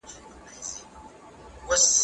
زه به سبا کتابتون ته ولاړ سم!.